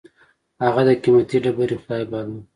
هغه د قېمتي ډبرې خدای باله.